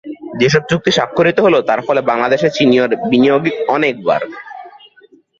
যেসব চুক্তি স্বাক্ষরিত হলো, তার ফলে বাংলাদেশে চীনের বিনিয়োগ অনেক বাড়বে।